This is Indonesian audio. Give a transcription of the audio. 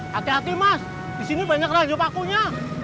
hati hati mas disini banyak rancang pakunya